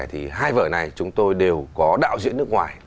thì hai vở này chúng tôi đều có đạo diễn nước ngoài